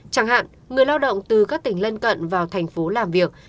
chẳng hạn người lao động từ các tỉnh lân cận vào thành phố làm việc